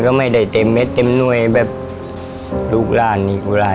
ก็ไม่ได้เต็มเม็ดเต็มน้อยแบบลูกร่านอีก